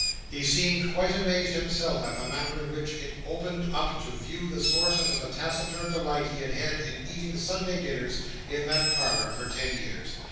He seemed quite amazed himself at the manner in which it opened up to view the sources of the taciturn delight he had had in eating Sunday dinners in that parlour for ten years.